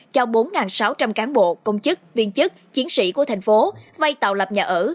cho bốn sáu trăm linh cán bộ công chức viên chức chiến sĩ của thành phố vay tạo lập nhà ở